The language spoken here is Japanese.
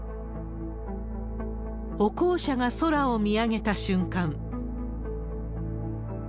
歩行者が空を見上げた瞬間。